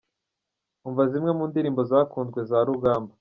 Umva zimwe mu ndirimbo zakunzwe za Rugamba:.